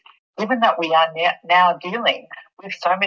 walaupun kita sekarang berpengalaman